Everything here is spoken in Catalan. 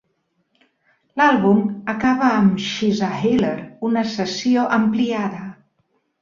L'àlbum acaba amb "She's a Healer", una sessió ampliada.